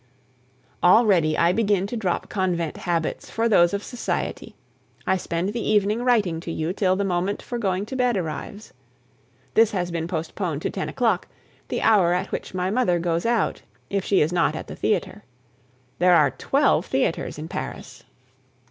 Already I begin to drop convent habits for those of society. I spend the evening writing to you till the moment for going to bed arrives. This has been postponed to ten o'clock, the hour at which my mother goes out, if she is not at the theatre. There are twelve theatres in Paris.